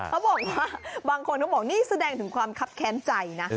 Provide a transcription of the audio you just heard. เขาบอกว่าบางคนเขาบอกนี่แสดงถึงความคับแค้นใจนะ